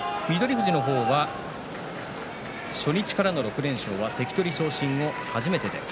富士の方は初日からの６連勝は関取昇進後、初めてです。